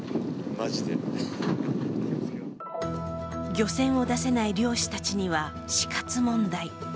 漁船を出せない漁師たちには死活問題。